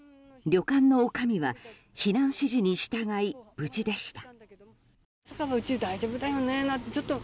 旅館のおかみは避難指示に従い、無事でした。